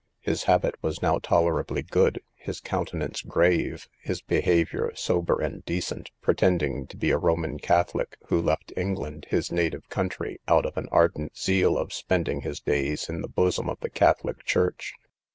His habit was now tolerably good, his countenance grave, his behaviour sober and decent, pretending to be a Roman catholic, who left England, his native country, out of an ardent zeal of spending his days in the bosom of the catholic church.